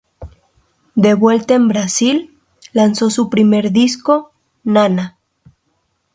De vuelta en Brasil, lanzó su primer disco, "Nana".